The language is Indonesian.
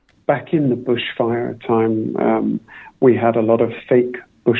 pada waktu penipuan amal palsu kami memiliki banyak syarikat penipuan amal palsu yang berbohong